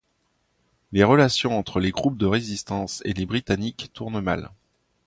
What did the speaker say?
Les relations entre les groupes de résistance et les Britanniques tournent mal.